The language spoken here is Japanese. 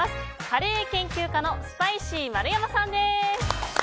カレー研究家のスパイシー丸山さんです。